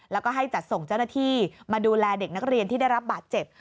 แล้วก็ให้จัดส่งเจ้าหน้าที่มาดูแลเด็กนักเรียนที่ได้รับบาดเจ็บ